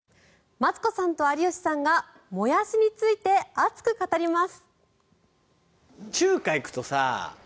マツコさんと有吉さんがモヤシについて熱く語ります。